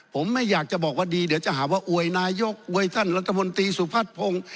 ผมไม่อยากจะบอกว่าดีเดี๋ยวจะหาว่าอวยนายกอวยท่านรัฐมนตรีสุพัฒน์พงศ์